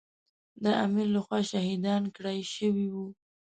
د امیر له خوا شهیدان کړای شوي وو.